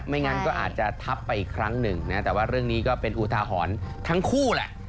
งั้นก็อาจจะทับไปอีกครั้งหนึ่งนะแต่ว่าเรื่องนี้ก็เป็นอุทาหรณ์ทั้งคู่แหละ